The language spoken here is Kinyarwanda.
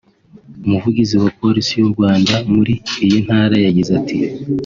Umuvugizi wa Polisi y’u Rwanda muri iyi Ntara yagize ati